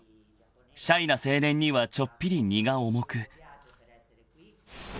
［シャイな青年にはちょっぴり荷が重く］